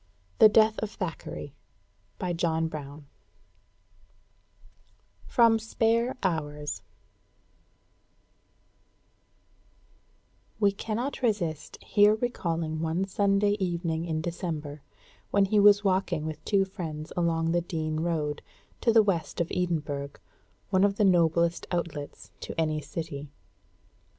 THE DEATH OF THACKERAY From 'Spare Hours' We cannot resist here recalling one Sunday evening in December, when he was walking with two friends along the Dean road, to the west of Edinburgh, one of the noblest outlets to any city.